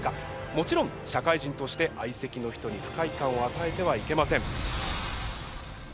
もちろん社会人として相席の人に不快感を与えてはいけません。